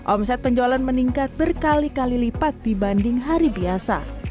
omset penjualan meningkat berkali kali lipat dibanding hari biasa